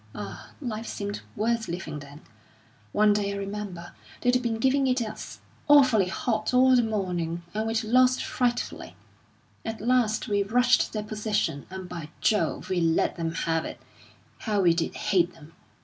Ah, life seemed worth living then! One day, I remember, they'd been giving it us awfully hot all the morning, and we'd lost frightfully. At last we rushed their position, and, by Jove, we let 'em have it! How we did hate them!